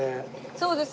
そうです。